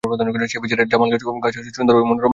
সে বিচারে জামালগঞ্জ হচ্ছে সুন্দর বা মনোরম শহর।